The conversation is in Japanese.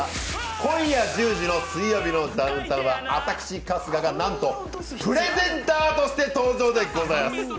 今夜１０時の「水曜日のダウンタウン」は私、春日が何とプレゼンターとして登場でございます！